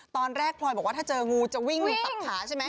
ตอนแรกพลอยบอกว่าถ้าเจองูจะวิ่งตับขาใช่ไหม